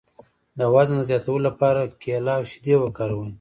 د وزن د زیاتولو لپاره کیله او شیدې وکاروئ